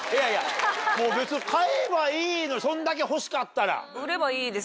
もう別に買えばいいのにそんだけ欲しかったら。